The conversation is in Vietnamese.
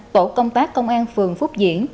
tổ công tác công an phường phúc diễn